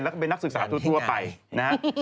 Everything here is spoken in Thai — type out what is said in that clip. แล้วก็เป็นนักศึกษาทั่วไปนะฮะ